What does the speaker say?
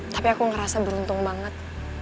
tapi aku ngerasa beruntung banget